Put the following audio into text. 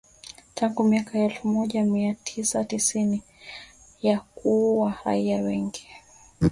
tangu miaka ya elfu moja mia tisa na tisini na kuua raia wengi